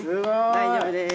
大丈夫です。